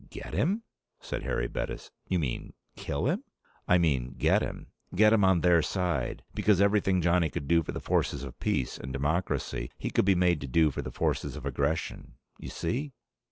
"Get him?" said Harry Bettis. "You mean, kill him?" "I mean, get him. Get him on their side. Because everything Johnny could do for the forces of peace and democracy, he could be made to do for the forces of aggression. You see?"